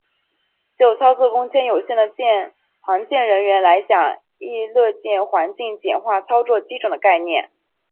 就操作空间有限的航舰人员来讲亦乐见环境简化操作机种的概念。